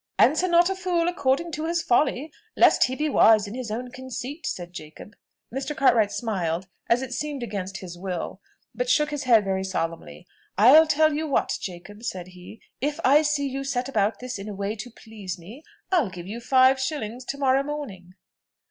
"Answer not a fool according to his folly, least he be wise in his own conceit," said Jacob. Mr. Cartwright smiled, as it seemed against his will, but shook his head very solemnly. "I'll tell you what, Jacob," said he, "if I see you set about this in a way to please me, I'll give you five shillings to morrow morning."